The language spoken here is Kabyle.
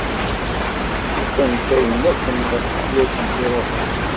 Ufant ayen akken i asent-iruḥen?